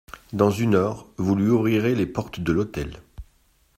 Dans une heure, vous lui ouvrirez les portes de l'hôtel.